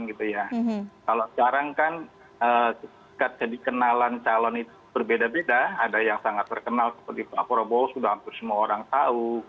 kalau sekarang kan dikenalan calon itu berbeda beda ada yang sangat terkenal seperti pak prabowo sudah hampir semua orang tahu